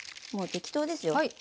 もう適当ですよ。